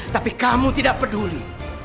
tapi kamu tidak peduli